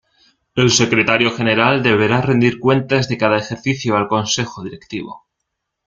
El Secretario General deberá rendir cuentas de cada ejercicio al Consejo Directivo.